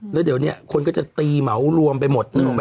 แล้วเดี๋ยวเนี่ยคนก็จะตีเหมารวมไปหมด